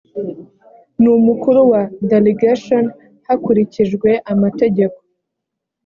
n umukuru wa delegation hakurikijwe amategeko